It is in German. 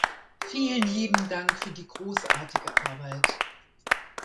Vielen lieben Dank für die großartige Arbeit!